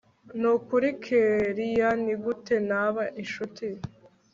nukuri kellia nigute naba inshuti